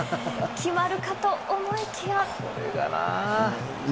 決まるかと思いきや。